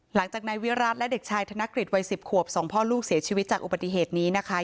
หลังจากนายวิรัติและเด็กชายธนกฤษวัย๑๐ขวบสองพ่อลูกเสียชีวิตจากอุบัติเหตุนี้นะคะ